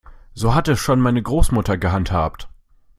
So hat es schon meine Großmutter gehandhabt.